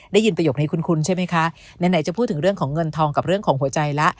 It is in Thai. ได้ยินประโยคนี้คุ้นใช่ไหมคะไหนจะพูดถึงเรื่องของเงินทองกับเรื่องของหัวใจละ